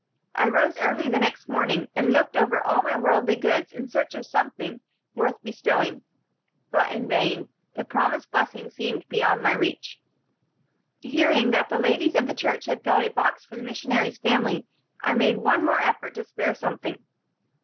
I rose early the next morning, and looked over all my worldly goods in search of something worth bestowing, but in vain; the promised blessing seemed beyond my reach. "Hearing that the ladies of the church had filled a box for the missionary's family, I made one more effort to spare something.